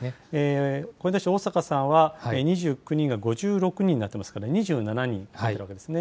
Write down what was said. これに対し逢坂さんは２９人が５６人になってますから、２７人増えてるわけですね。